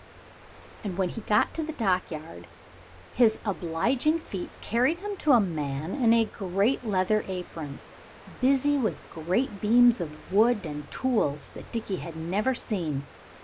And when he got to the dockyard his obliging feet carried him to a man in a great leather apron, busy with great beams of wood and tools that Dickie had never seen.